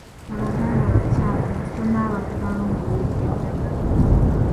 Abaganda bakyafu nti tonaaba mu ngalo ng’oyenga eddagala.